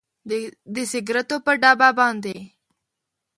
د سګریټو پر ډبه باندې